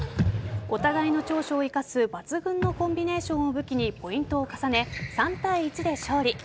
お互いの長所を生かす抜群のコンビネーションを武器にポイントを重ね３対１で勝利。